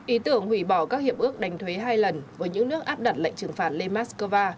ý tưởng hủy bỏ các hiệp ước đánh thuế hai lần với những nước áp đặt lệnh trừng phạt lên moscow